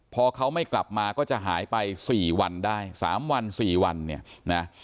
พอเขาไม่กลับมาก็จะหายไป๔วันได้๓วัน๔วันเนี่ยนะ